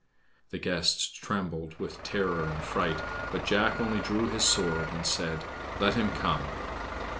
The guests trembled with terror and fright; but Jack only drew his sword and said, "Let him come!"